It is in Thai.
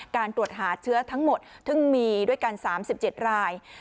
การตรวจหาเชื้อทั้งหมดซึ่งมีด้วยกัน๓๗ราย